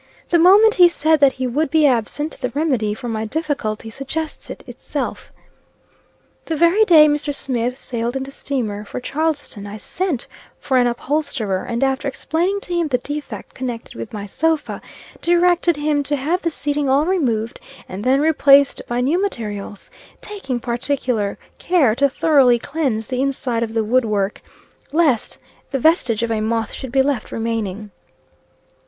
The moment he said that he would be absent, the remedy for my difficulty suggested itself. The very day Mr. Smith sailed in the steamer for Charleston, I sent for an upholsterer, and after explaining to him the defect connected with my sofa, directed him to have the seating all removed, and then replaced by new materials, taking particular care to thoroughly cleanse the inside of the wood work, lest the vestige of a moth should be left remaining.